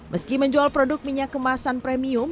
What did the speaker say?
meski menjual produk minyak kemasan premium